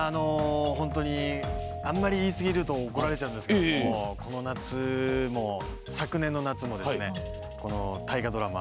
あんまり言い過ぎると怒られちゃうんですけどこの夏も、昨年の夏も大河ドラマ